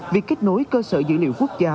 việc kết nối cơ sở dữ liệu quốc gia